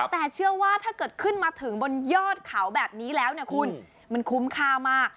แต่เชื่อว่าถ้าเกิดขึ้นมาทุนโยนขาวแบบนี้แล้วมันคุ้มข้ามา